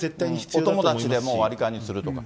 お友達で割り勘にするとか。